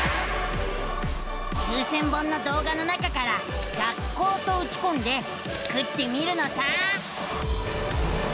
９，０００本の動画の中から「学校」とうちこんでスクってみるのさ！